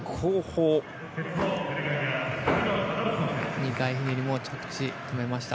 ２回ひねりも着地、止めました。